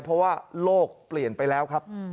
เพราะว่าโลกเปลี่ยนไปแล้วครับ